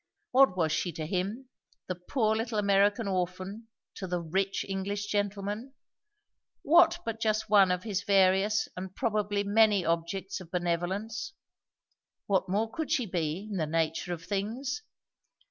What was she to him, the poor little American orphan, to the rich English gentleman? what but just one of his various and probably many objects of benevolence? What more could she be, in the nature of things?